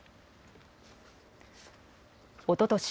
おととし